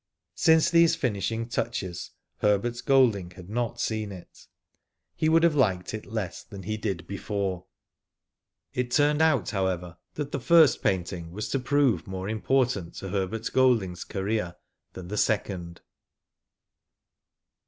Since these finishing touches Herbert Golding had not seen it. He would have liked it less than he did before. It turned out, however, that the first painting was to prove more important to Herbert Golding's career than the second.